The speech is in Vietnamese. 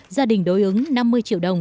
gia đình đối ứng năm mươi triệu đồng